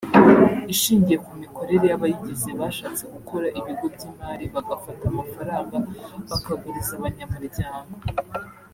ishingiye ku mikorere y’abayigize bashatse gukora ibigo by’imari bagafata amafaranga bakaguriza abanyamuryango